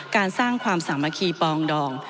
การสร้างความสามัคคีปองดอง